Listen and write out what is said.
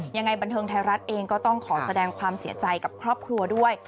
ยังไงบันเทิงไทยรัฐเองก็ต้องขอแสดงความเสียใจกับครอบครัวด้วย